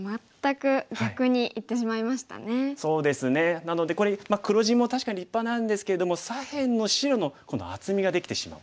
なのでこれ黒地も確かに立派なんですけれども左辺の白の今度厚みができてしまう。